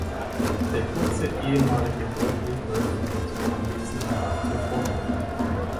Der kurze ehemalige Burgweg läuft von diesem Anwesen hinauf zur Vorburg.